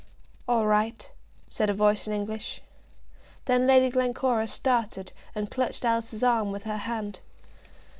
"All right," said a voice in English. Then Lady Glencora started and clutched Alice's arm with her hand.